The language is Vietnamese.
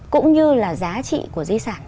cũng như là giá trị của di sản